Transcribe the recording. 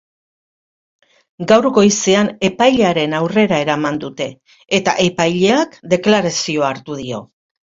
Gaur goizean epailearen aurrera eraman dute, eta epaileak deklarazioa hartu dio.